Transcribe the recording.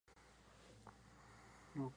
La Academia no participa en el ensayo.